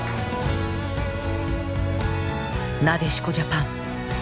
なでしこジャパン。